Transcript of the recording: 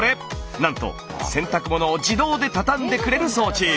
なんと洗濯物を自動でたたんでくれる装置。